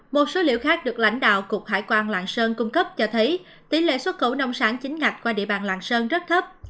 một số liệu khác được lãnh đạo cục hải quan lạng sơn cung cấp cho thấy tỷ lệ xuất khẩu nông sản chính ngạch qua địa bàn lạng sơn rất thấp